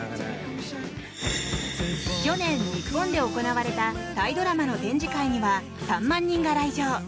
去年、日本で行われたタイドラマの展示会には３万人が来場。